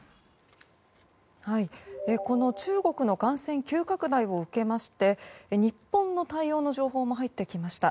この中国の感染急拡大を受けまして日本の対応の情報も入ってきました。